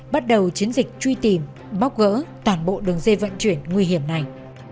bắt đầu chiến dịch truy tìm bóc gỡ toàn bộ đường dây vận chuyển nguy hiểm này